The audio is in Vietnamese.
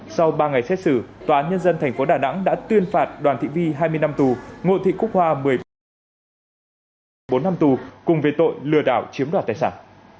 sau ba ngày xét xử tòa án nhân dân tp đà nẵng đã tuyên phạt đoàn thị vi hai mươi năm tù ngô thị cúc hoa một mươi bảy bốn năm tù cùng về tội lừa đảo chiếm đoạt tài sản